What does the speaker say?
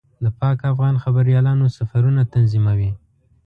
د پاک افغان خبریالانو سفرونه تنظیموي.